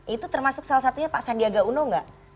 itu termasuk salah satunya pak sandiaga uno enggak